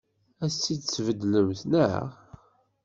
Ad tt-tbeddlemt, naɣ?